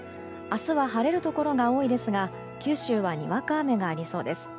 明日は晴れるところが多いですが九州はにわか雨がありそうです。